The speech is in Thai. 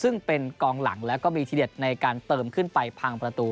ซึ่งเป็นกองหลังแล้วก็มีทีเด็ดในการเติมขึ้นไปพังประตู